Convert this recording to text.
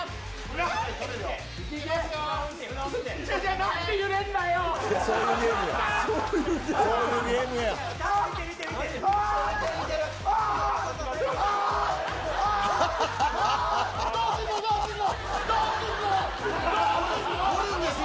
なんで揺れるんだよ。